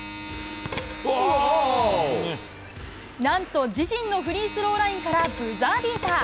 なんと自陣のフリースローラインからブザービーター。